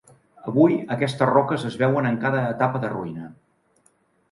Avui aquestes roques es veuen en cada etapa de ruïna.